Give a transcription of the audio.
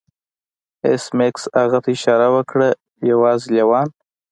ایس میکس هغه ته اشاره وکړه یوازې لیوان